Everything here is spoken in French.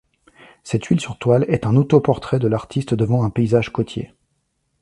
Cette huile sur toile est un autoportrait de l'artiste devant un paysage côtier.